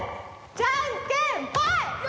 じゃんけんぽい！